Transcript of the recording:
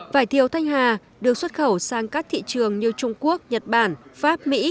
vải thiều thanh hà được xuất khẩu sang các thị trường như trung quốc nhật bản pháp mỹ